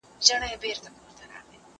زه پرون لیکل کوم!؟